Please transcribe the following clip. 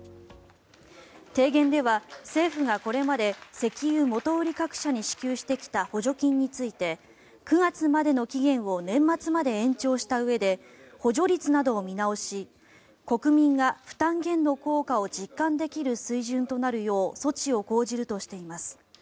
提言では政府がこれまで石油元売り各社に支給してきた補助金について９月までの期限を年末まで延長したうえで補助率などを見直し国民が負担減の効果を実感できる水準となるよう措置を講じるとしています。